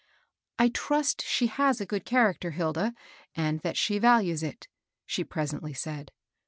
I trust she has a good character, Hilda, and that she values it," she presentiy said.